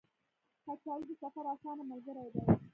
کچالو د سفر اسانه ملګری دی